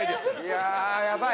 いやあやばい！